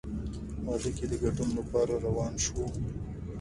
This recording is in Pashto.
واده کې د ګډون لپاره روان شوو.